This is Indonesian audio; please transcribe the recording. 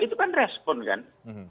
itu kan respon kan